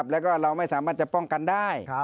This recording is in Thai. แล้วก็เราไม่สามารถจะป้องกันได้